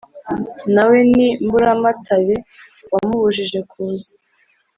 Na we ni Mburamatare wamubujije kuza